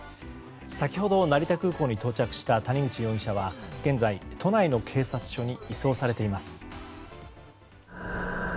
先ほど成田空港に到着した谷口容疑者は現在、都内の警察署に移送されています。